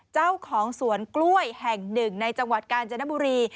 เจ้าของสวนกล้วยแห่งหนึ่งในจังหวัดกาญจนบุรี